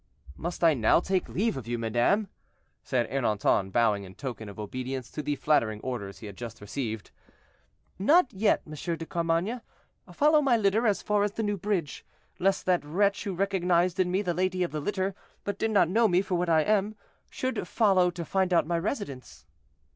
"Must I now take leave of you, madame?" said Ernanton, bowing in token of obedience to the flattering orders he had just received. "Not yet, M. de Carmainges; follow my litter as far as the new bridge, lest that wretch who recognized in me the lady of the litter, but did not know me for what I am, should follow to find out my residence."